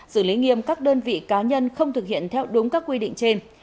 xử lý nghiêm các đơn vị cá nhân không thực hiện theo đúng các quy định trên